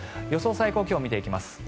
最高気温を見ていきます。